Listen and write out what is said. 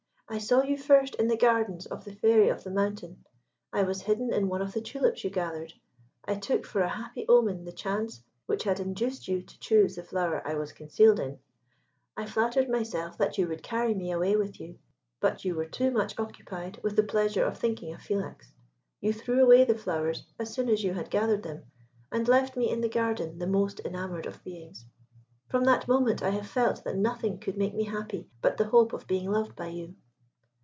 I saw you first in the gardens of the Fairy of the Mountain. I was hidden in one of the tulips you gathered. I took for a happy omen the chance which had induced you to choose the flower I was concealed in. I flattered myself that you would carry me away with you; but you were too much occupied with the pleasure of thinking of Philax. You threw away the flowers as soon as you had gathered them, and left me in the garden the most enamoured of beings. From that moment I have felt that nothing could make me happy but the hope of being loved by you.